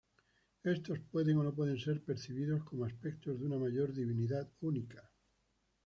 Estos pueden o no pueden ser percibidos como aspectos de una mayor divinidad única.